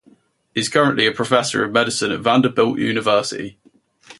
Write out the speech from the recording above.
He is currently a professor of medicine at Vanderbilt University.